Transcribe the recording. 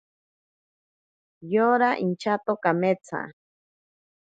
Yora inchato kametsa.